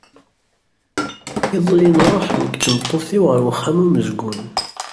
Iḍelli nruḥ nekk d tmeṭṭut-iw ɣer uxxam umezgun.